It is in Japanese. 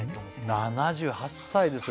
７８歳ですよ